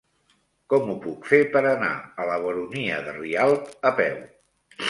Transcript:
Com ho puc fer per anar a la Baronia de Rialb a peu?